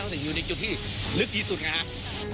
ที่นี่อยู่ในจุดที่ลึกที่สุดนะครับ